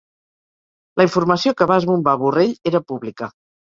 La informació que va esbombar Borrell era pública